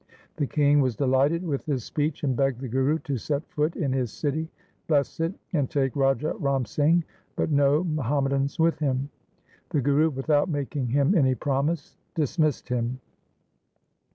The king was delighted with this speech, and begged the Guru to set foot in his city, bless it, and take Raja Ram Singh, but no Muhammadans with him. The Guru without making him any promise dismissed him.